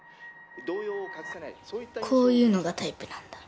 こういうのがタイプなんだ？